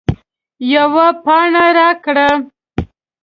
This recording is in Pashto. یوه پاڼه راکړه